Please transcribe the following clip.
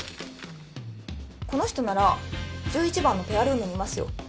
この人なら１１番のペアルームにいますよ。